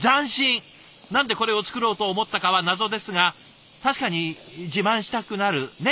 何でこれを作ろうと思ったかは謎ですが確かに自慢したくなるね？